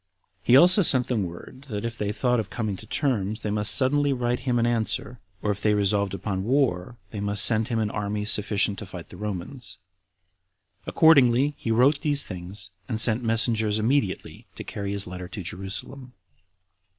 He also sent them word, that if they thought of coming to terms, they must suddenly write him an answer; or if they resolved upon war, they must send him an army sufficient to fight the Romans. Accordingly, he wrote these things, and sent messengers immediately to carry his letter to Jerusalem.